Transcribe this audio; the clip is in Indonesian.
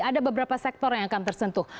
ada beberapa sektor yang akan tersentuh